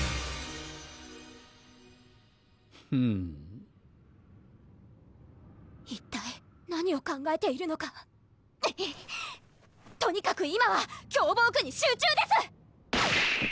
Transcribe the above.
フン一体何を考えているのかとにかく今はキョーボーグに集中です